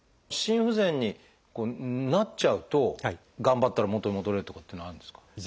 心不全になっちゃうと頑張ったら元に戻れるとかっていうのはあるんですか？